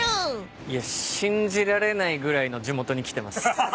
いや信じられないぐらいの地元に来てます。